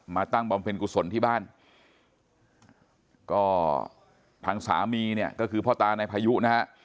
ตั้งบำเพ็ญกุศลที่บ้านก็ทางสามีเนี่ยก็คือพ่อตานายพายุนะฮะ